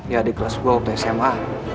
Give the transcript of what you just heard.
ya di kelas dua waktu sma